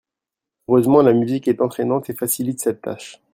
Heureusement la musique est entrainante et facilite cette tâche